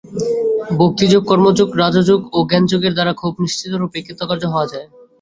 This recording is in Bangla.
ভক্তিযোগ, কর্মযোগ, রাজযোগ ও জ্ঞানযোগের দ্বারা খুব নিশ্চিতরূপে কৃতকার্য হওয়া যায়।